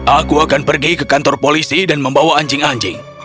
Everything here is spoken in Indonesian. aku akan pergi ke kantor polisi dan membawa anjing anjing